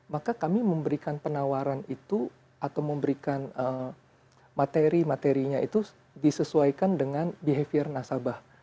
maka kami memberikan penawaran itu atau memberikan materi materinya itu disesuaikan dengan behavior nasabah